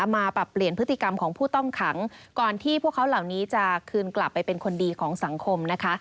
ปรับเปลี่ยนพฤติกรรมของผู้ต้องขังก่อนที่พวกเขาเหล่านี้จะคืนกลับไปเป็นคนดีของสังคมนะคะ